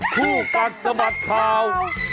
คู่กัดสมัครข่าว